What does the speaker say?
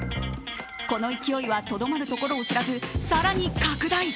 この勢いはとどまるところを知らず更に拡大。